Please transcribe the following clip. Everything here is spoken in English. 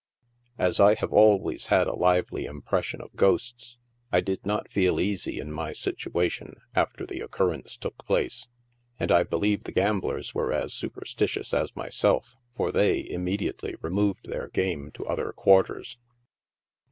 As I have always had a lively impression of ghosts, I did not feel easy in my situation after the occurrence took place, and I believe the gamblers were as superstitious as myself, for they immediately removed their game to other quarters.